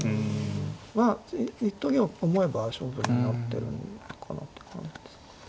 まあいっときを思えば勝負になってるのかなって感じですかね。